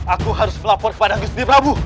aku harus melapor kepada gusti prado